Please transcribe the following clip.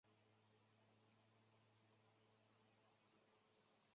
和纯正的甲型相比航速略为下降航程却大为增加。